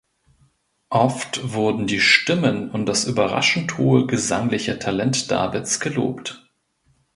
Oft wurden die Stimmen und das überraschend hohe gesangliche Talent Davids gelobt.